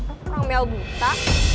orang mel buta